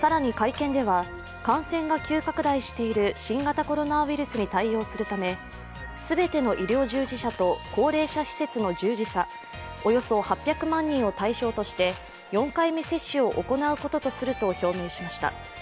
更に会見では、感染が急拡大している新型コロナウイルスに対応するため全ての医療従事者と高齢者施設の従事者、およそ８００万人を対象として４回目接種を行うこととすると表明しました。